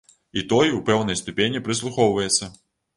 І той у пэўнай ступені прыслухоўваецца.